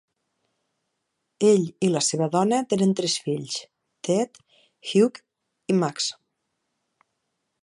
Ell i la seva dona tenen tres fills, Ted, Hugh i Max.